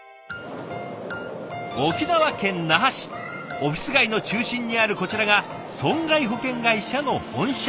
オフィス街の中心にあるこちらが損害保険会社の本社ビル。